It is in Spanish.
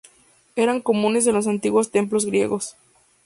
Eran comunes en los antiguos templos griegos.